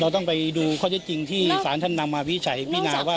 เราต้องไปดูข้อจริงที่ศาลท่านนำมาพิจัยพินาว่า